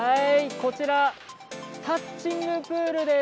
こちらはタッチングプールです。